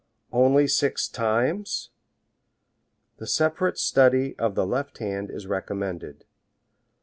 Only six times! The separate study of the left hand is recommended.